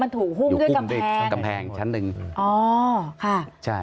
มันถูกหุ้มด้วยกำแพงกำแพงชั้นหนึ่งอ๋อค่ะใช่